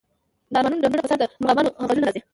د ارامو ډنډونو په سر د مرغابیانو غږونه راځي